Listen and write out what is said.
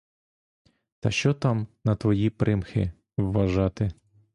Та що там на твої примхи вважати!